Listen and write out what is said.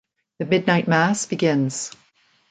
The midnight mass begins.